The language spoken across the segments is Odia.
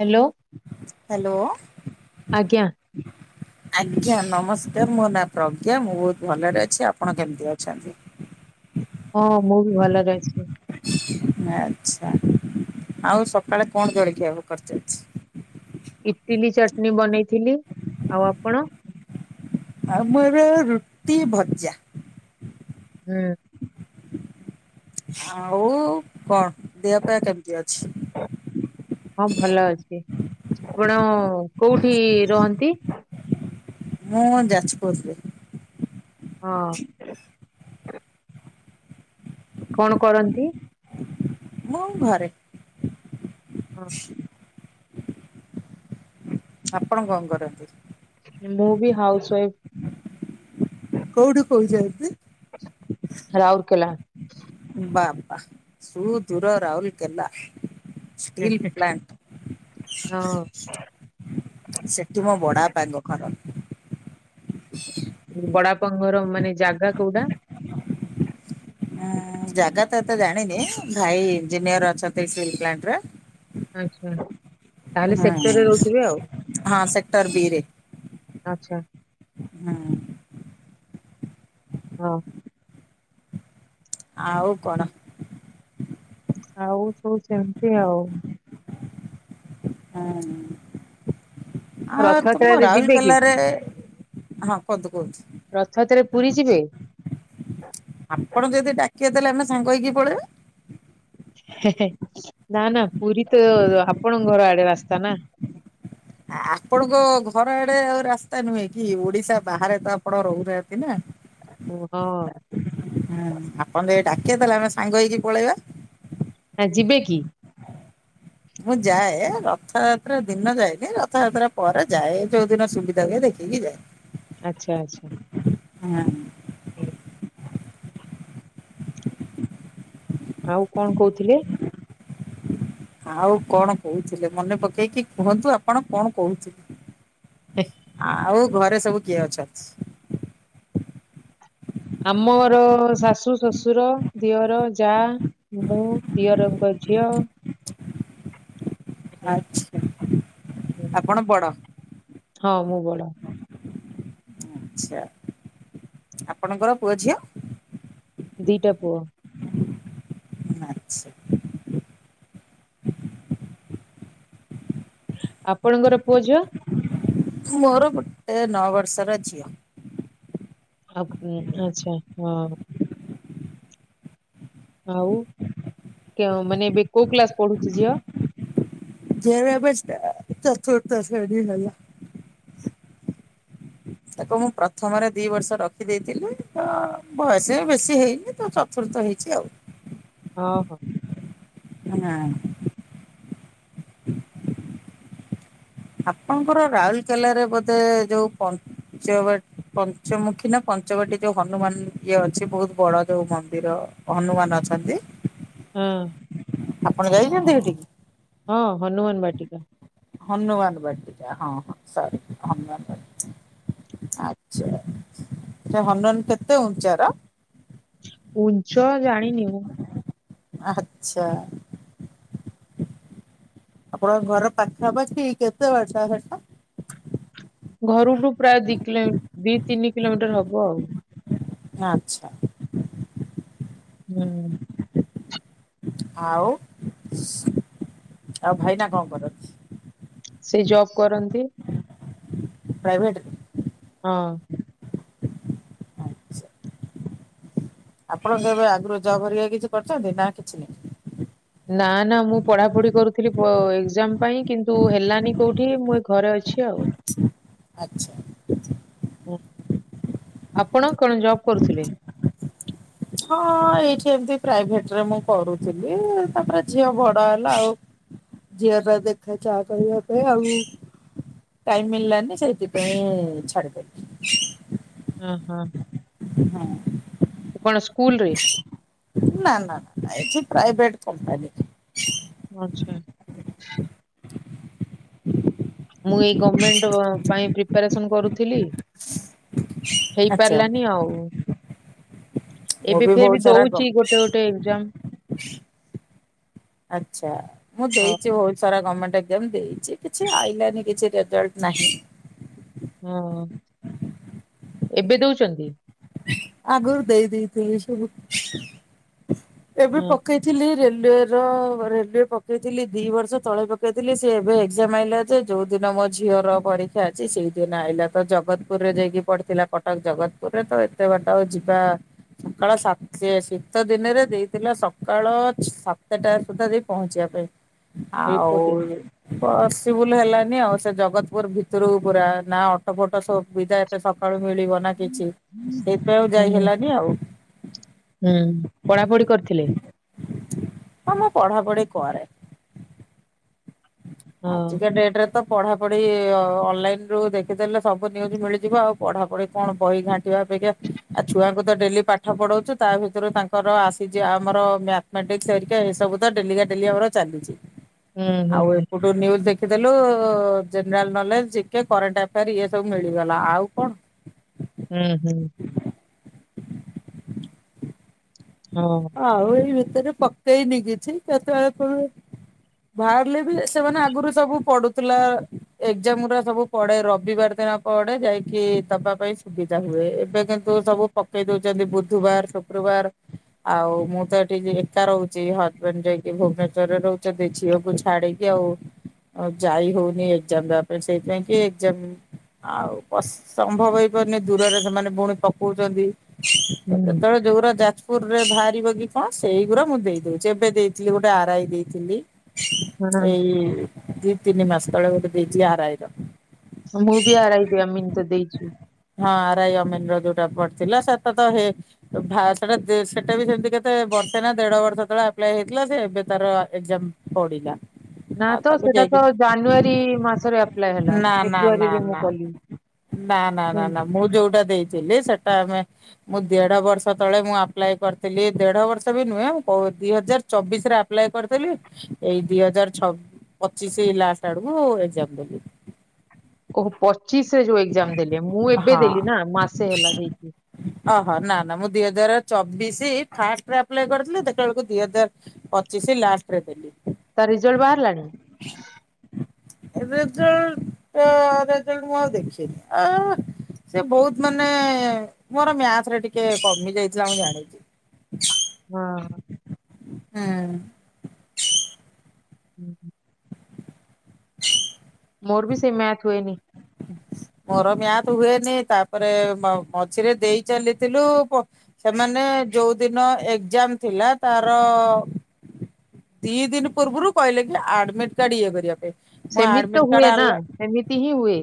Hello hello. ଆଜ୍ଞା ଆଜ୍ଞା ନମସ୍କାର ମୋ ନାଁ ପ୍ରଜ୍ଞା ମୁଁ ବହୁତ ଭଲରେ ଅଛି ଆପଣ କେମିତି ଅଛନ୍ତି? ହଁ ମୁଁ ବି ଭଲରେ ଅଛି। ଆଛା ଆଉ ସକାଳେ କଣ ଜଳଖିଆ କରିଚଚି? ଇଟିଲି ଚଟନୀ ବନେଇଥିଲି ଆଉ ଆପଣ? ଆଉ ମୁଁ ଏବେ ରୁଟି ଭଜା। ହୁଁ। ଆଉ କଣ ଦେହପା କେମିତି ଅଛି? ହଁ ଭଲ ଅଛି ଆପଣ କୋଉଠି ରହନ୍ତି? ମୁଁ ଯାଜପୁରରେ। ହଁ। କଣ କରନ୍ତି? ମୁଁ ଘରେ। ହଁ। ଆପଣ କଣ କରନ୍ତି? ମୁଁ ବି ହାଉସ ୱାଇଫ୍। କଉଠୁ କହୁଛନ୍ତି? ରାଉରକେଲା। ବାବା ସୂ ଦୂର ରାଉଲକେଲା। ହେଁ, ଷ୍ଟିଲ୍ ପ୍ଲାଣ୍ଟ। ସେଠି ମୋ ବଡାପା ଙ୍କ ଘର। ବଡାପା ଙ୍କ ଘର ମାନେ ଜାଗା କୋଉଟା? ଉଁ ଜାଗାତ ଏତେ ଜାଣିନି ଭାଇ ଇଞ୍ଜିନିୟର ଅଛନ୍ତି ଷ୍ଟିଲ୍ ପ୍ଲାଣ୍ଟ ରେ ଆଛା। ହୁଁ ହଁ ସେକ୍ଟର୍ ବି ରେ। ଆଛା। ହୁଁ। ହଁ ଆଉ କଣ? ଆଉ ସବୁ ସେମିତି ଆଉ। ହୁଁ ଆଉ ତୁମ ରଥଯାତ୍ରାରେ ଯିବେ କି? ରାଉଲକେଲାରେ ହଁ କହନ୍ତୁ କୁଅନ୍ତୁ? ରଥାତ୍ରା ରେ ପୁରୀ ଯିବେ? ଆପଣ ଯଦି ଡାକିବେ ତାହେଲେ ଆମେ ସାଙ୍ଗ ହେଇକି ପଳେଇବା। ହେ ହେ ନା ନା ପୁରୀ ତ ଆପଣ ଘର ଆଡ଼େ ରାସ୍ତା ନା। ଆ ଆପଣଙ୍କ ଘର ଆଡେ ଆଉ ରାସ୍ତା ନୁହେଁ କି ଓଡିଶା ବାହାରେ ତ ଆପଣ ରହୁନାହାନ୍ତି ନା। ହୁଁ ହଁ। ହୁଁ ଆପଣ ଯଦି ଡାକିଏ ତାହେଲେ ଆମେ ସାଙ୍ଗ ହେଇକି ପଳେଇବା। ଆ ଯିବେ କି? ମୁଁ ଯାଏ ରଥଯାତ୍ରା ଦିନ ଯାଏନି ରଥଯାତ୍ରା ପରେ ଯାଏ ଯୋଉ ଦିନ ସୁବିଧା ହୁଏ ଦେଖିକି ଯାଏ। ଆଚ୍ଛା ଆଚ୍ଛା। ହୁଁ। [inaudible] ଆଉ କଣ କଉଥିଲେ? ଆଉ କଣ କହୁଥିଲେ ମନେ ପକେଇକି କୁହନ୍ତୁ ଆପଣ କଣ କହୁଥିଲେ? ଆଉ ଘରେ ସବୁ କିଏ ଅଛନ୍ତି? ଆମର ଶାଶୁ ଶଶୁର ଦିଅର ଯାଆ। ମୁଁ ଦିଅରଙ୍କ ଝିଅ। ଆଚ୍ଛା ଉଁ, ଆପଣ ବଡ଼? ହଁ ମୁଁ ବଡ଼। ଆଚ୍ଛା ଆପଣଙ୍କର ପୁଅ ଝିଅ? ଦିଇଟା ପୁଅ। ଆଛା। ଆପଣଙ୍କର ପୁଅ ଝିଅ? ମୋର ଗୋଟେ ନଅ ବର୍ଷର ଝିଅ। ଆଁ ପୁ ଆଛା ହଁ। ଆଉ କେଉ ମାନେ ଏବେ କୋଉ କ୍ଲାସ୍ ପଢୁଚି ଝିଅ? ଝିଅର ଏବେ ଷ୍ଟା ଚତୁର୍ଥ ଶ୍ରେଣୀ ହେଲା। [inaudible] ତାକୁ ମୁଁ ପ୍ରଥମରେ ଦି ବର୍ଷ ରଖିଦେଇଥିଲି ତ ବୟସବି ବେଶୀ ହେଇନି ତ ଚ ଚତୁର୍ଥ ହେଇଚି ଆଉ। ହଁ ହଁ। ହେ ନା ଆପଣଙ୍କର ରାଉଲକେଲାରେ ବୋଧେ ଯୋଉ ପ ପଞ୍ଚ ବାଟ୍ ପଞ୍ଚମୁଖୀନା ପଞ୍ଚବାଟୀ ଯୋଉ ହନୁମାନ ଇଏ ଅଛି ବହୁତ୍ ବଡ଼ ଯୋଉ ମନ୍ଦିର? ହନୁମାନ ଅଛନ୍ତି। ହୁଁ। ଆପଣ ଯାଇଚନ୍ତି ହେଟିକି? ହଁ ହନୁମାନ ବାଟିକା। ହନୁମାନ ବାଟୀକା ହଁ ହଁ ସରି ହନୁମାନ ବଟିକା। ଆଚ୍ଛା ସେହନୁମାନ କେତେ ଉଞ୍ଚାର? ଉଜ୍ଜ ଜାଣିନି ମୁଁ। ଆଚ୍ଛା। ଆପଣଙ୍କ ଘର ପାଖାପାଖି କେତେ ବାଟ ହେଟା? ଘରୁଠୁ ପ୍ରାୟ ଦି କିଲୋ ଦି ତିନି କିଲୋମିଟର୍ ହବ ଆଉ। ଆଚ୍ଛା। ହୁଁ। ଆଉ ଆଉ ଭାଇନା କଣ କରନ୍ତି? ସେ ଜବ୍ କରନ୍ତି। ପ୍ରାଇଭେଟ୍? ହଁ। ଆଚ୍ଛା। [inaudible] ଆପଣ କେବେ ଆଗରୁ ଜବ୍ ହେରିକା କିଛି କରିଚନ୍ତି ନା କିଛିନାହିଁ? ନା ନା ମୁଁ ପଢାପଢି କରୁଥିଲି ଏକ୍ଜାମ ପାଇଁ କିନ୍ତୁ ହେଲାନି କୋଉଠି ମୁଁ ଏ ଘରେ ଅଛି ଆଉ। ଆଚ୍ଛା। ଓ ଆପଣ କଣ ଜବ୍ କରୁଥିଲେ? ହଁ ଏଇଠି ଏମିତି ପ୍ରାଇଭେଟରେ ମୁଁ କରୁଥିଲି ତାପରେ ଝିଅ ବଡ ହେଲା ଆଉ ଝିଅ ଟା ଦେଖା ଚାହା କରିବା ପାଇଁ ଆଉ ଟାଇମ୍ ମିଳିଲାନି ସେଇଥିପାଇଁ ଛାଡିଦେଲି। ଅ ହ। ହଁ। କଣ ସ୍କୁଲ ରେ? ନା ନା ଏଠି ପ୍ରାଇଭେଟ୍ କମ୍ପାନୀରେ। ଆଚ୍ଛା। ହ ମୁଁ ଏଇ ଗମେଣ୍ଟ ପାଇଁ ପ୍ରିପାରେସନ କରୁଥିଲି। ଆଚ୍ଛା। ହେଇପାରିଲାନି। ଆଉ ମୁଁ ଏବେ ବି ବହୁତ ଫେରବି ସାରା କ ଦଉଚି ଗୋଟେ ଗୋଟେ ଏକଜାମ। ଆଚ୍ଛା। ମୁଁ ହଁ ଦେଇଚି ବହୁତ ସାରା ଗମେଣ୍ଟ ଏକଜାମ ଦେଇଚି କିଛି ଆଇଲାନି କିଛି ରେଜଲ୍ଟ ନାହିଁ। ହଁ ଏବେ ଦଉଚନ୍ତି? ଆଗୁରୁ ଦେଇ ଦେଇଥିଲି ସବୁ। ଏବେ ହଁ ପକେଇ ଥିଲି ରେଲୱେ ର ରେଲୱେ ପକେଇଥିଲି ଦି ବର୍ଷ ତଳେ ପକେଇଥିଲି ସେ ଏବେ ଏକଜାମ ଆଇଲା। ଯେ ଯୋଉ ଦିନ ମୋ ଝିଅର ପରୀକ୍ଷା ଅଛି ସେଇଦିନ ଆଇଲା ତ ଜଗତପୁରରେ ଯାଇକି ପଡିଥିଲା। କ କଟକ ଜଗତପୁରରେ ତ ଏତେ ବାଟ ଯିବା ସକାଳ ସାତ୍ ସେ ଶୀତ ଦିନେରେ ଦେଇଥିଲା ସକାଳ ସାତଟା ସୁଦ୍ଧା ଯାଇ ପହଞ୍ଚିବା ପାଇଁ। ଆଉ ରିପୋର୍ଟିଂ ଇଏ ପସିବୁଲ ହେଲାନି ଆଉ ସେ ଜଗତପୁର ଭିତୁରୁକୁ ପୁରା ନା ଅଟୋ ଫୋଟୋ ସୁବିଧା ସକାଳୁ ମିଳିବ ନା କିଛି ସେଇଥିପାଇଁ ଆଉ ଯାଇ ହୁଁ ହେଲାନି ଆଉ। ହୁଁ, ପଢାପଢି କରିଥିଲେ? ହଁ ମୁଁ ପଢା ପଢି କରେ। ହଁ ଆଜିିକା ଡେଟ୍ ରେ ତ ପଢା ପଢି ଅନଲାଇନ୍ ରୁ ଦେଖିଦେଲେ ସବୁ ନ୍ୟୁଜ ମିଳିଯିବ। ଆଉ ପଢାପଢି କଣ ବହି ଘାଣ୍ଟିବା ଅପେକ୍ଷା ଆଉ ଛୁଆଙ୍କୁ ତ ଡେଲି ପାଠ ପଢଉଛୁ ତା ଭିତରୁ ତାଙ୍କର ଆସିଛି ଆମର ମ୍ୟା ମ୍ୟାଟ୍ରିକ ସରିକି ଆଉ ଏସବୁ ତ ଡେଲିକା ଡେଲିକା ଏଗୁରା ଚାଲୁଚି। ହୁଁ ହୁଁ ଆଉ ଏପଟୁ ଯୋଉ ନ୍ୟୁଜ୍ ଦେଖିଦେଲୁ general knowledge, GK, current affair ଇଏ ସବୁ ମିଳିଗଲା। ଆଉ କଣ? ହୁଁ ହୁଁ। ହୁଁ। ଆଉ ଏଇ ଭିତରେ ପକେଇନି କିଛି କେତବେଳେ ପଡ଼ିବ? ବାହାରିଲେ ବି ସେମାନେ ଆଗରୁ ସବୁ ପଡୁଥିଲା। ଏକଜାମ ଉରା ସବୁ ପଡେ ରବିବାର ଦିନ ପଡେ। ଯାଇକି ଦବା ପାଇଁ ସୁବିଧା ହୁଏ। ଏବେ କିନ୍ତୁ ସବୁ ପକେଇ ଦଉଚନ୍ତି ବୁଧୁବାର, ଶୁକ୍ରବାର ଆଉ ମୁଁ ତ ଏଠି ଜି ଏକା ରହୁଚି। ହଜବେଣ୍ଡ ଯାଇକି ଭୁବନେଶ୍ୱରରେ ରହୁଚନ୍ତି ଝିଅକୁ ଛାଡିକି ଆଉ। ଆଉ ଯାଇ ହଉନି ଏକଜାମ ଦବା ପାଇଁ ସେଇଥିପାଇଁ କି ଏକ୍ଜାମ୍ ଆଉ ତ ସମ୍ଭବ ହେଇପାରୁନି ଦୂରରେ ସେମାନେ ବୁଣୀ ପକଉଚନ୍ତି। ହୁଁ ଯେତବେଳେ ଯୋଉଗୁରା ଯାଚ୍ ରେ ବାହାରିବ କି କଣ ସେଇଗୁରା ମୁଁ ଦେଇ ଦଉଚି। ଏବେ ଦେଇଥିଲି ଗୋଟେ ଆର ଆଇ ଦେଇଥିଲି। ଏଇ ଦି ତିନି ମାସ ତଳେ ଗୋଟେ ଦେଇଚି ଆର ଆଇ ର। ମୁଁ ବି ଆର ଆଇ ଦେ ଅମିନ ତେ ଦେଇଛି। ହଁ ଆର ଆଇ ଅମିନ ର ଯୋଉଟା ପଡିଥିଲା ସେଟା ତ ଆଉ ହେ ଭାର୍ ସେଟା ସେଟା ବି ସେମିତି କେତେ ବର୍ଷେ ନା ଦେଢ ବର୍ଷ ତଳେ ଆପ୍ଲାଏ ହେଇଥିଲା ସେ ଏବେ ତାର ଏଜାମ ପଡିଲା। ନା ଆଉ ତ ତାକୁ ସେଟା ଯାଇକି ତ ଜାନୁଆରୀ ମାସରେ ଆପ୍ଲାଏ ହେଲା ନା ନା ନା ଫେବୃଆରୀରେ ମୁଁ ନା। କଲି। ନା ନା ନା ହୁଁ। ନା ମୁଁ ଯୋଉଟା ଦେଇଥିଲି ସେଟା ଆମେ ମୁଁ ଦେଢ ବର୍ଷ ତଳେ ମୁଁ ପ୍ କରିଥିଲି ଦେଢ ବର୍ଷ ବି ନୁହେଁ ଦି ହଜାର ଚବିଶ ରେ ଆପ୍ଲା କରିଥିଲି। ଏଇ ଦି ହଜାରଛ ପଚିଶ ଲାଷ୍ଟ ଆଡକୁ ଏଜାମ ଦେଲି। ଓହୋ ପଚିଶରେ ଯୋଉ ଏକ୍ଜାମ ଦେଲେ ମୁଁ ଏବେ ହଁ ଦେଲି ନା ମାସେ ହେଲା ଦେଇଛିି। ଓହୋ ନା ନା ମୁଦିଆ ଦର ଚବିଶ ଫାଷ୍ଟରେପ୍ କରିଥିଲିତେ ବଳକୁ ଦିଇ ହଜାର ପଚିଶ ଲାଷ୍ଟରେ ଦେଲି। ତ ରିଜଲ୍ଟ ବାହାରିଲାଣି। ରେଜଲରେଜଲ ମୁଁ ଆଉ ଦେଖିନି ଆ ସେ ବହୁତ ମାନେ ମୋର ମ୍ୟାଥ ରେ ଟିକେ କମି ଯାଇ ଲ ଜଣଛି। ହଁ। ହୁଁ? ହୁଁ ହୁଁ। ଜ? ମୋର ବି ସେଇ ମ୍ୟାଥ ହୁଏନି। ମୋର ମିଆଁ ତ ହୁଏନି ତାପରେ ମଝିରେ ଦେଇ ଚାଲିଥିଲୁ ସେମାନେ ଯୋଉ ଦିନ ଏକ୍ଜାମ ଥିଲା ତାର ଦି ଦିନ ପୂର୍ବରୁ କହିଲେ କି ଆଡମିଟ କାର୍ଡ ଇଏ କରିବା ପାଇଁ। ମୁଁ ସେମିତି ତ ଆଡମିଟ ହୁଏ ନା କାର୍ଡ ସେମିତି ହିଁ ହୁଏ।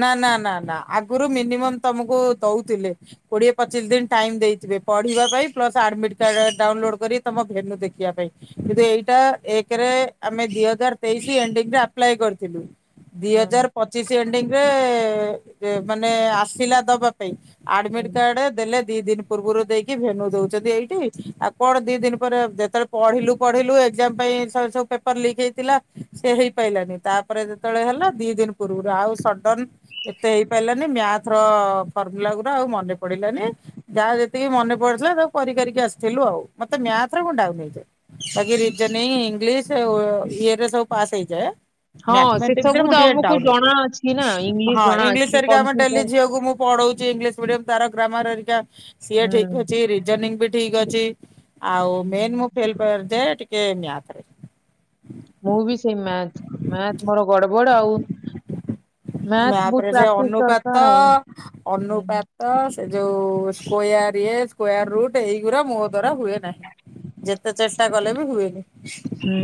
ନା ନା ନା ନା ଆଗରୁ ମିନିମମ୍ ତମକୁ ଦଉଥିଲେ। କୋଡିଏ ପଚିଶ ଦିନ ଟାଇମ ଦେଇଥିବେ ପଢିବା ପାଇଁ ପ୍ଲସ୍ ଆଡମିଟ କାର୍ଡ ଡାଉନଲୋଡ କରି ତମ ଭେନୁ ଦେଖିବା ପାଇଁ। କିନ୍ତୁ ଏଇଟା ଏକରେ ଆମେ ଦି ହଜାର ତେଇଶି ଏଡିରେପ୍ କରିଥିଲୁ। ଦି ହୁଁ ହଜାର ପଚିଶ ଏଣ୍ଡି ରେ ମାନେ ଆସିଲା ଦବା- ଆଡମିଟ ହୁଁ କାର୍ଡ ଦେଲେ। ଦି ଦିନ ପୂର୍ବରୁ ଦେଇକି ଭେନୁ ଦଉଛନ୍ତି ଏଇଠି ଆଉ କଣ ଦି ଦିନ ପରେ ଯେତେବେଳେ- ପଢିଲୁ ପଢିଲୁ ଏକ୍ଜାମ ପାଇଁ ସବୁ ପେପର ଲିକ୍ ହେଇଥିଲା ସେ ହେଇପାରିଲାନି, ତା- ପରେ ଯେତେବେଳେ ହେଲା ଦି ଦିନ ପୂର୍ବରୁ ଆଉ ସଡନ ଏତେ ହେଇପାରିଲାନି ମ୍ୟାଥ ର ଫର୍ମୁଲା ଗୁଡା ଆଉ ମନେ ପଡିଲାନି। ଯାହା ଯେତିକି ମନେ ପଡିଥିଲା ତାକୁ କରି କରିକି ଆସିଥିଲୁ ଆଉ ମତେ ମ୍ୟାଥରେ କ ଡକୁ ନେଇଛ। ବାକି ରିଯୋନିକ ଇଙ୍ଗିଲିସ୍ ଇଏ ରେ ସବୁ ପାସ୍ ହେଇଯାଏ। ହଁ ସେ ମଥମଟିକସ ରେ ସବୁ ମୁଁ ତ ଆମକୁ ଟିକୋଉନ ଜଣା ଅଛି ନା ହେଇଯଛି ଇଂଲିଶ ହଁ ଜଣା ଅଛି ଇଂଲିଶରିକି ଆମେ ଡଲି କମ୍ପ୍ୟୁଟର ଝିଅକୁ ମୁ? ପଢଉଛି ଇଂଲିଶ ମିଡିୟମ ତାର ଗ୍ରାମରରିକା ସିଏ ଠିକ୍ ହୁଁ। ଅଛି ରିଜନିଂ ବି ଠିକ ଅଛି। ଆଉ ମେନ୍ ମୁଁ ହୁଁ। ଫେ ଯେ ଟିକେ ମ୍ୟାଥରେ। ମୁଁ ବି ସେଇ ମ୍ୟାଥ ମୋର ଗଡ ବଡ ଆଉ ମ୍ୟାଥ ବହୁତ ରେ ସେ ପ୍ରାକ୍ଟିସ ଦରକାର ଅନୁପାତ ଆଉ। ହୁଁ। ଅନୁପା ତ ସେ ଯୋଉ ସ୍କୋୟାର ସ୍କୋୟର ରୁଟ ଏଇଗୁଡା ମୋ ଦ୍ଵାରା ହୁଏ ନାହିଁ। ଯେତେ ଚେଷ୍ଟା କଲେ ବି ହୁଏନି। ହୁଁ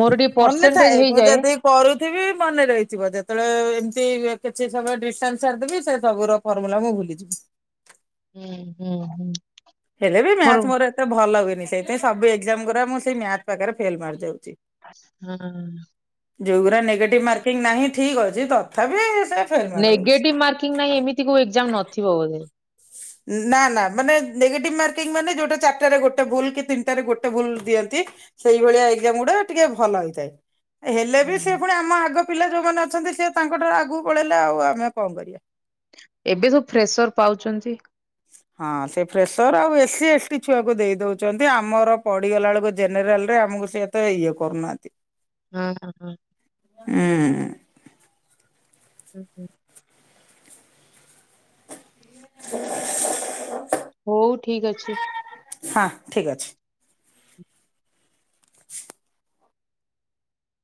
ମୋର ଟିକେ ମନେ ଥାଏ ପରସେଣ୍ଟେଜ୍ ମୁଁ ହେଇଯାଏ। ଯଦି କରୁଥିବି ମନେ ରହିଯିବ ଯେ ତଳେ ଏମିତି କିଛି ସମୟ ଡିଷ୍ଟାନ୍ସ ସାରିଦେବି ସେ ସବୁର ଫର୍ମୁଲା ମୁଁ ଭୁଲିଯିବି। ହେଲେ ବି ମ୍ୟାଥ୍ ମୋର ଏ ତେ ଭଲ ହୁଏନି ସେଇଥିପାଇଁ ସବୁ ଏକ୍ଜାମ୍ ଗୁରା ମୁଁ ସେଇ ମ୍ୟାଥ୍ ପାଖରେ ଫେଲ୍ ମାରି ଯାଉଛି। ହୁଁ। ଯୋଉଗୁରା ନେଗେଟିଭ୍ ମାର୍କିଂ ନାହିଁ ଠିକ୍ ଅଛି ତଥାପି ସେ ଫେଲ ମାରିଯାଉଛି। ନେଗେଟିଭ୍ ମାର୍କିଂ ନହିଁ ଏମିତି କୋଉ ଏକ୍ଜାମ୍ ନଥିବ ବୋଧେ? ନା ନା ମାନେ ନେଗେଟିଭ୍ ମାର୍କିଂ ମାନେ ଯୋଉଟା ଚାରଟାରେ ଗୋଟେ ଭୁଲ୍ କି ତିନଟାରେ ଗୋଟେ ଭୁଲ୍ ଦିଅନ୍ତି। ସେଇଭଳିଆ ଏକ୍ଜାମ୍ ଗୁଡା ଟିକେ ଭଲ ହେଇଥାଏ। ହେଲେ ବି ହୁଁ। ସେ ପୁଣି ଆମ ଆଗ ପିଲା ଯୋଉମାନେ ଅଛନ୍ତି ସେ ତାଙ୍କ ଠାରୁ ଆଗକୁ ପଳେଇଲେ ଆଉ ଆମେ କଣ କରିବା? ଏବେ ସବୁ ଫ୍ରେସର୍ ପାଉଛନ୍ତି। ହଁ ସେ ଫ୍ରେସର୍ ଆଉ ଏ ସି ଏସ୍ଟି ଛୁଆକୁ ଦେଇ ଦଉଛନ୍ତି ଆମର ପଡିଗଲା ବେଳକୁ ଜେନେରାଲ ରେ ଆମକୁ ସେ ଏତେ ଇଏ କରୁନାହାନ୍ତି। ହୁଁ ହୁଁ। ହୁଁ। ହୁଁ ହୁଁ। [inaudible] ହଉ ଠିକ୍ ଅଛି। ହଁ ଠିକ୍ ଅଛି।